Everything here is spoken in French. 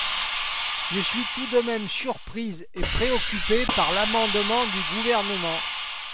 Je suis tout de même surprise et préoccupée par l’amendement du Gouvernement.